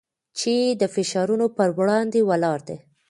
چې د فشارونو پر وړاندې ولاړ دی.